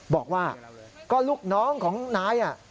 บอกว่าก็ลูกน้องของนาย